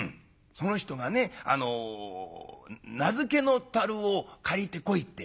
「その人がねあの菜漬けの樽を借りてこいって」。